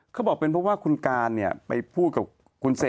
เขาบอกคุณการเนี่ยไปพูดกับคุณเสก